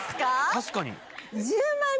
確かに。